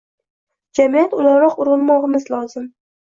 jamiyat o‘laroq urinmog‘imiz lozim.